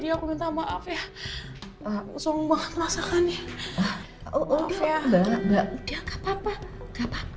aku gak tau kamu ada apa gak